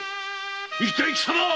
一体貴様は。